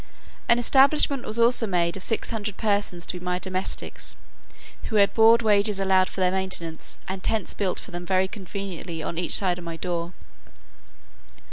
An establishment was also made of six hundred persons to be my domestics, who had board wages allowed for their maintenance, and tents built for them very conveniently on each side of my door.